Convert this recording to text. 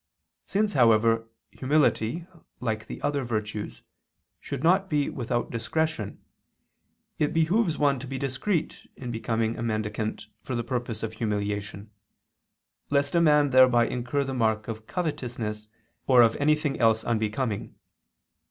Since, however, humility like the other virtues should not be without discretion, it behooves one to be discreet in becoming a mendicant for the purpose of humiliation, lest a man thereby incur the mark of covetousness or of anything else unbecoming.